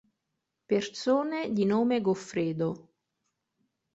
Persone di nome Goffredo